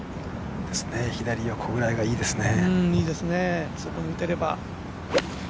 左横ぐらいがいいですね。